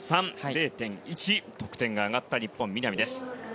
０．１、得点が上がった日本、南です。